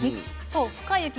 そう深い雪。